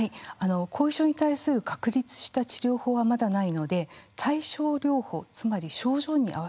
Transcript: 後遺症に対する確立した治療法はまだないので対症療法つまり症状に合わせた治療になります。